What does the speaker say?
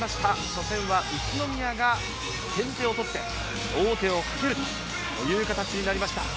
初戦は宇都宮が先手を取って王手をかけるという形になりました。